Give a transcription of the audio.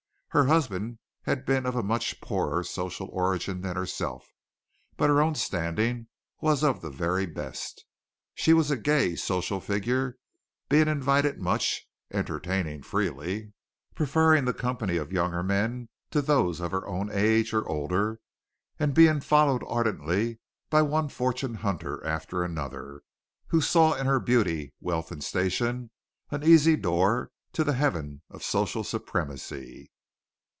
Her husband had been of a much poorer social origin than herself, but her own standing was of the very best. She was a gay social figure, being invited much, entertaining freely, preferring the company of younger men to those of her own age or older and being followed ardently by one fortune hunter and another, who saw in her beauty, wealth and station, an easy door to the heaven of social supremacy.